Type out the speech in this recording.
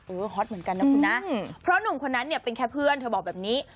ฮอตเหมือนกันนะคุณนะเพราะหนุ่มคนนั้นเนี่ยเป็นแค่เพื่อนเธอบอกแบบนี้